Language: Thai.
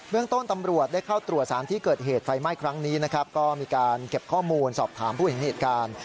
เรื่องต้นตำรวจได้เข้าตรวจสารที่เกิดเหตุไฟไหม้ครั้งนี้นะครับก็มีการเก็บข้อมูลสอบถามผู้เห็นเหตุการณ์